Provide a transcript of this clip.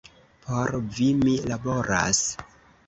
Por vi, mi laboras.